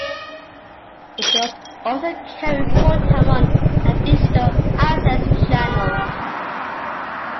It was also carried full-time on a digital access channel.